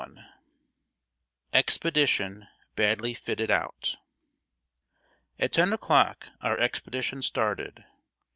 [Sidenote: EXPEDITION BADLY FITTED OUT.] At ten o'clock our expedition started.